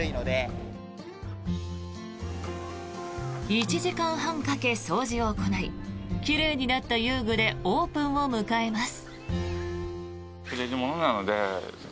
１時間半かけ掃除を行い奇麗になった遊具でオープンを迎えます。